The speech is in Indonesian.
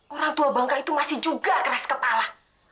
orang tua bangka itu masih juga keras kepala